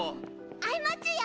あいまちゅよ！